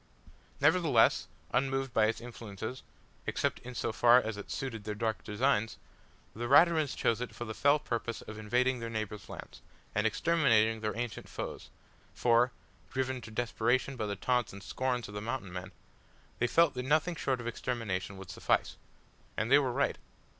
Nevertheless, unmoved by its influences except in so far as it suited their dark designs the Raturans chose it for the fell purpose of invading their neighbours' lands, and exterminating their ancient foes; for, driven to desperation by the taunts and scorn of the Mountain men, they felt that nothing short of extermination would suffice. And they were right.